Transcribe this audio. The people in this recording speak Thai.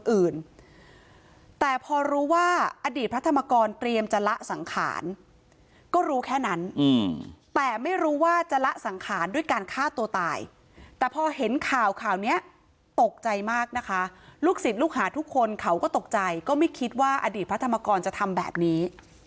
อื่นแต่พอรู้ว่าอดีตพระธรรมกรเตรียมจะละสังขารก็รู้แค่นั้นแต่ไม่รู้ว่าจะละสังขารด้วยการฆ่าตัวตายแต่พอเห็นข่าวข่าวเนี้ยตกใจมากนะคะลูกศิษย์ลูกหาทุกคนเขาก็ตกใจก็ไม่คิดว่าอดีตพระธรรมกรจะทำแบบนี้